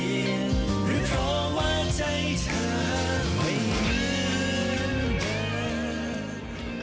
หรือเพราะว่าใจเธอไม่เหมือนกัน